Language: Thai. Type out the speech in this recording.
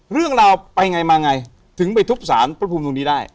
เรื่องราวไปไงมาไงถึงไปทุบสารพระภูมิตรงนี้ได้